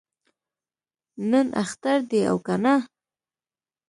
نن اختر دی او کنه؟